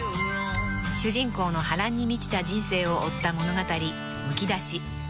［主人公の波乱に満ちた人生を追った物語］